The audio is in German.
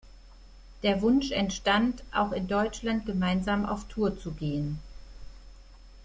Der Wunsch entstand, auch in Deutschland gemeinsam auf Tour zu gehen.